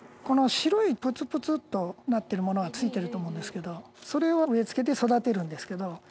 この白いプツプツっとなってるものが付いてると思うんですけどそれを植え付けて育てるんですけど。